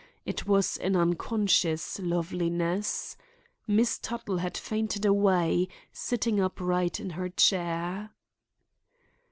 It was an unconscious loveliness. Miss Tuttle had fainted away, sitting upright in her chair.